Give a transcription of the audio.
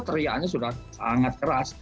teriaknya sudah sangat keras